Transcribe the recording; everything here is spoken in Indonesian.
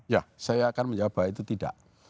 ya saya akan menjawab